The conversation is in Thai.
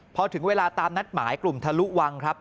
พอถึงเวลาตามนัดหมายกลุ่มทะลุวังครับ